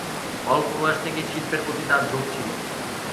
অল্প বয়স থেকেই শিল্পের প্রতি তার ঝোঁক ছিল।